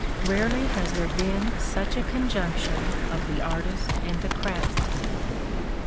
Rarely has there been such a conjunction of the artist and the craftsman.